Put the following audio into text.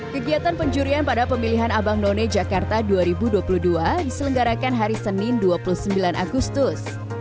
kegiatan penjurian pada pemilihan abang none jakarta dua ribu dua puluh dua diselenggarakan hari senin dua puluh sembilan agustus